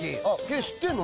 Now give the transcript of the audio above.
知ってんの？